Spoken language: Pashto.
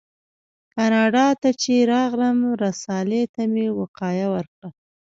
کاناډا ته چې راغلم رسالې ته مې وقایه ورکړه.